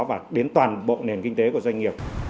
và đến toàn bộ nền kinh tế của doanh nghiệp